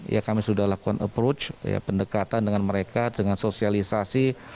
ya kami sudah lakukan approach pendekatan dengan mereka dengan sosialisasi